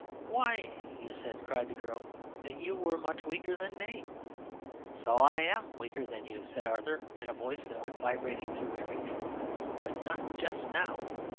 "Why, you said," cried the girl, "that you were much weaker than me." "So I am weaker than you," said Arthur, in a voice that went vibrating through everything, "but not just now."